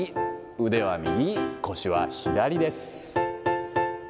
腕は右、腰は左です。